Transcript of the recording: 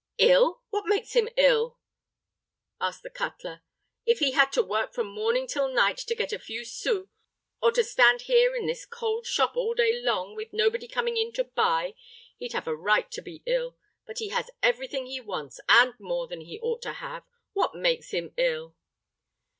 "Ill! what makes him ill?" asked the cutler. "If he had to work from morning till night to get a few sous, or to stand here in this cold shop all day long, with nobody coming in to buy, he'd have a right to be ill. But he has every thing he wants, and more than he ought to have. What makes him ill?"